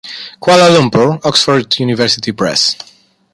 Kuala Lumpur: Oxford University Press.